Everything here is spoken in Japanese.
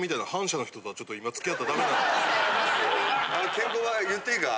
ケンコバ言っていいか？